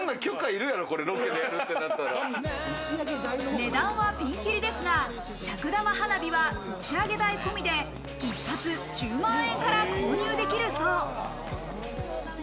値段はピンキリですが、尺玉花火は打ち上げ代込みで一発１０万円から購入できるそう。